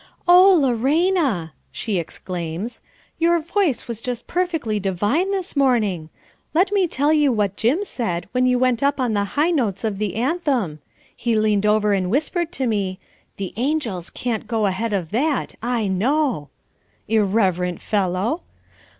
"Oh, Lorena!" she exclaims, "your voice was just perfectly divine this morning. Let me tell you what Jim said, when you went up on the high notes of the anthem. He leaned over and whispered to me, 'The angels can't go ahead of that, I know; irreverent fellow!